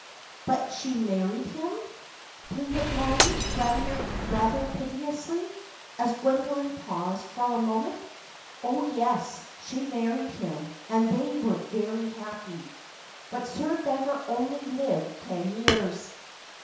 '" "But she married him?" pleaded Mollie, rather piteously, as Gwendoline paused for a moment. "Oh, yes, she married him, and they were very happy; but Sir Bever only lived ten years.